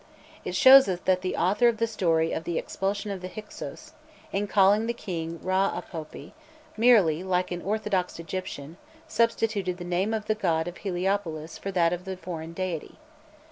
It shows us that the author of the story of the Expulsion of the Hyksôs, in calling the king Ra Apopi, merely, like an orthodox Egyptian, substituted the name of the god of Heliopolis for that of the foreign deity.